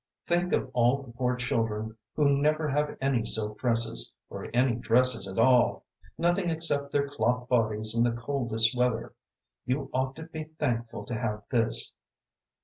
Think of all the poor children who never have any silk dresses, or any dresses at all nothing except their cloth bodies in the coldest weather. You ought to be thankful to have this."